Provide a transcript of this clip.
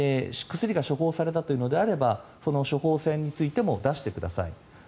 薬が処方されたというのであればその処方せんについても出してください。